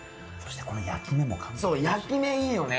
焼き目、いいよね。